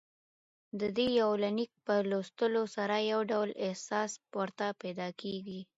ددې یونلیک په لوستلو سره يو ډول احساس ورته پېدا کېږي